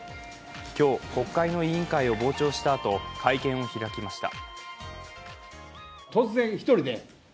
今日、国会の委員会を傍聴したあと会見を開きました。